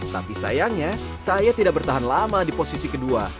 tapi sayangnya saya tidak bertahan lama di posisi kedua